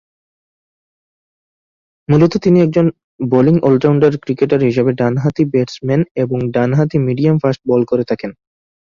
মূলত তিনি একজন বোলিং অল-রাউন্ডার ক্রিকেটার হিসেবে ডান-হাতি ব্যাটসম্যান এবং ডান-হাতি মিডিয়াম-ফাস্ট বল করে থাকেন।